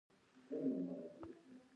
هوا د افغانستان د پوهنې نصاب کې شامل دي.